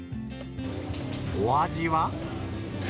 お味は？